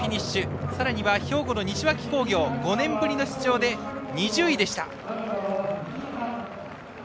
さらには兵庫の西脇工業は５年ぶりの出場で２０位でした。